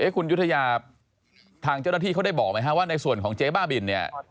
คุณยุธยาทางเจ้าหน้าที่เขาได้บอกไหมฮะว่าในส่วนของเจ๊บ้าบินเนี่ย